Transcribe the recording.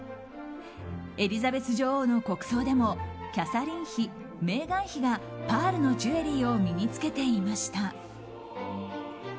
エリザベス女王の国葬でもキャサリン妃、メーガン妃がパールのジュエリーを身に着けていました。